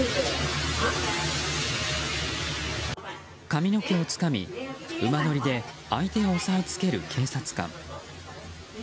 髪の毛をつかみ、馬乗りで相手を押さえつける警察官。